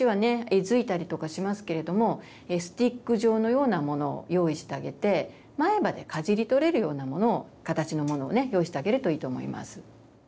えずいたりとかしますけれどもスティック状のようなものを用意してあげて前歯でかじり取れるようなものを形のものをね用意してあげるといいと思います。